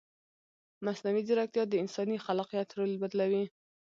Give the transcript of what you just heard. مصنوعي ځیرکتیا د انساني خلاقیت رول بدلوي.